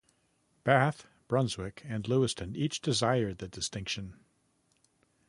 Bath, Brunswick, and Lewiston each desired the distinction.